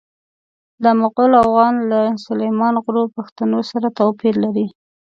دا مغول اوغان له سلیمان غرو پښتنو سره توپیر لري.